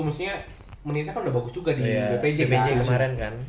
maksudnya menitnya kan udah bagus juga di bpj pj kemarin kan